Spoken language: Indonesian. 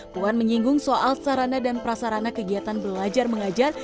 puan menyinggung soal sarana dan prasarana kegiatan belajar mengajar